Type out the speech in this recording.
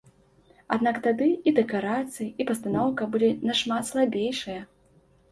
Аднак тады і дэкарацыі, і пастаноўка былі нашмат слабейшыя.